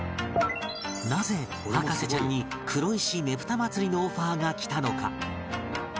なぜ博士ちゃんに黒石ねぷた祭りのオファーが来たのか？